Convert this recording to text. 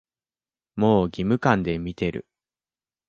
もう義務感で見てる